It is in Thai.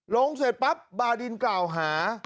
เสร็จปั๊บบาดินกล่าวหา